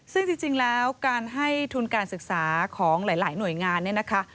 ซึ่งจริงแล้วการให้ทุนการศึกษาของหลายหน่วยงานเนี่ยนะคะ